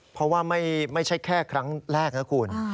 เพราะว่าไม่ใช่แค่ครั้งแรกนะคุณ